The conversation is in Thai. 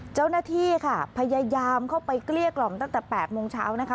เจ้าหน้าที่ค่ะพยายามเข้าไปเกลี้ยกล่อมตั้งแต่๘โมงเช้านะคะ